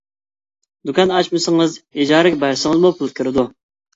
دۇكان ئاچمىسىڭىز ئىجارىگە بەرسىڭىزمۇ پۇل كىرىدۇ.